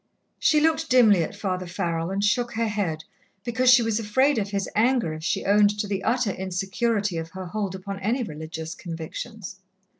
She looked dimly at Father Farrell, and shook her head, because she was afraid of his anger if she owned to the utter insecurity of her hold upon any religious convictions.